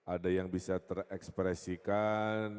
ada yang bisa terekspresikan